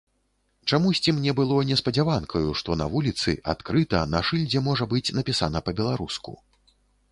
Чамусьці мне было неспадзяванкаю, што на вуліцы, адкрыта, на шыльдзе можа быць напісана па-беларуску.